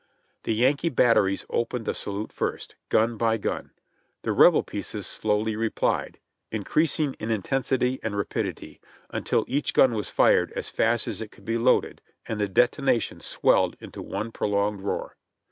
The Yankee batteries opened the salute first, gun by gun. The rebel pieces slowly replied, increasing in intensity and rapidity, until each gun was fired as fast as it could be loaded, and the detonations swelled into one prolonged roar.